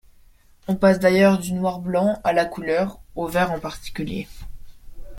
On passe d’ailleurs du noir-blanc à la couleur, au vert en particulier.